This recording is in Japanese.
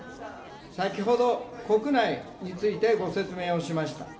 先ほど、国内についてご説明をしました。